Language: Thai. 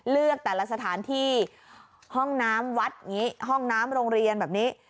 เลือกแต่ละสถานที่ห้องน้ำวัดอย่างนี้ห้องน้ำโรงเรียนแบบนี้